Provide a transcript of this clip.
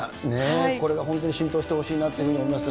これが本当に浸透してほしいと思います。